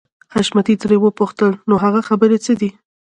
حشمتي ترې وپوښتل نو هغه خبرې څه دي.